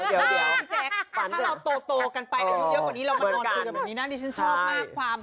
เดี๋ยวเดี๋ยวเดี๋ยว